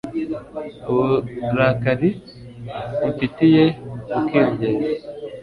uburakari umfitiye bukiyongera